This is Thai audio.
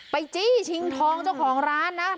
จี้ชิงทองเจ้าของร้านนะ